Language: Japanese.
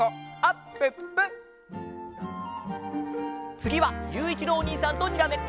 つぎはゆういちろうおにいさんとにらめっこ！